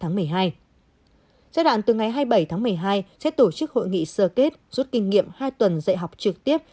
giai đoạn từ ngày hai mươi bảy tháng một mươi hai sẽ tổ chức hội nghị sơ kết rút kinh nghiệm hai tuần dạy học trực tiếp